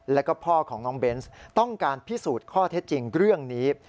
แล้วก็พ่อของน้องเบนส์ต้องการพิสูจน์ข้อเท็จจริงเรื่องนี้